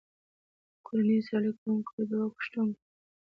کورنیو سیالي کوونکو او د واک غوښتونکو له یوې خوا مخالفت کاوه.